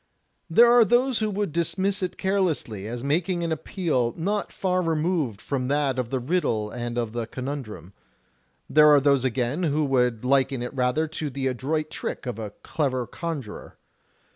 There are those who would dismiss it carelessly, as making an appeal not far removed from that of the riddle and of the conimdrum. There are those again who would liken it rather to the adroit trick of a clever conjurer.